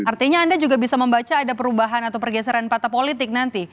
artinya anda juga bisa membaca ada perubahan atau pergeseran patah politik nanti